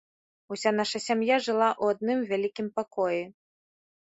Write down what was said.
Уся наша сям'я жыла ў адным вялікім пакоі.